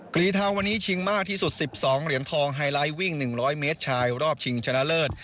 กรีเทาวันนี้ชิงมากที่สุด๑๒เหรียญทองไฮไลท์วิ่ง๑๐๐เมตรชายรอบชิงชนะเลิศ